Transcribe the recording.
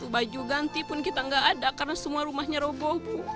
baju ganti pun kita nggak ada karena semua rumahnya roboh